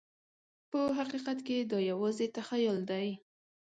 په حقیقت کې دا یوازې تخیل دی.